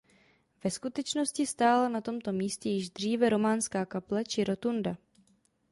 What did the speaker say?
Ve skutečnosti stála na tomto místě již dříve románská kaple či rotunda.